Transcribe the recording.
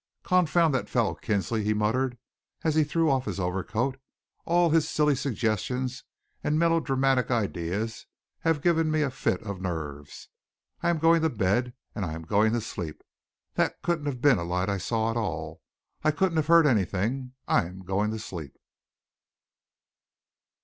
"Confound that fellow Kinsley!" he muttered, as he threw off his overcoat. "All his silly suggestions and melodramatic ideas have given me a fit of nerves. I am going to bed, and I am going to sleep. That couldn't have been a light I saw at all. I couldn't have heard anything. I am going to sleep."